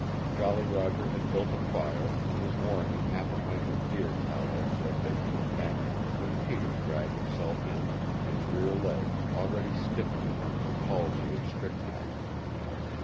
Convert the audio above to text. Jolly Roger had built a fire and was warming half a pint of deer tallow for a baking of bannock, when Peter dragged himself in, his rear legs already stiffening with the palsy of strychnine.